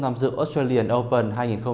nằm dự australian open hai nghìn một mươi bảy